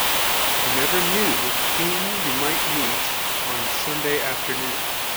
You never knew whom you might meet on Sunday afternoon.